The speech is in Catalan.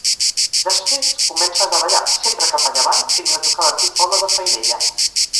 Després, comença a davallar, sempre cap a llevant, fins a tocar l'antic poble de Faidella.